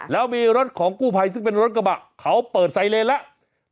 แล้วมีรถของกู้ภัยซึ่งเป็นรถกระบะเขาเปิดไซเลนแล้ว